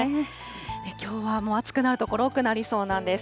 きょうはもう暑くなる所多くなりそうなんです。